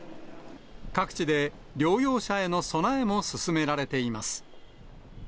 各地で療養者への備えも進められています。